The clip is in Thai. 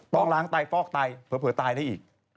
ต้องล้างไตฟอกไตเผลอตายได้อีก